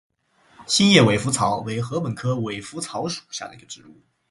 心叶尾稃草为禾本科尾稃草属下的一个种。